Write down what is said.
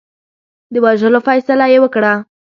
د وژلو فیصله یې وکړه.